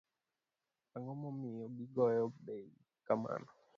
Ang'omomiyo gigoyo bey kamano.